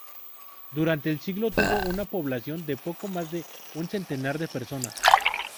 Durante el siglo tuvo una población de poco más de un centenar de personas.